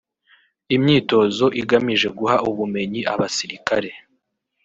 Imyitozo igamije guha ubumenyi abasirikare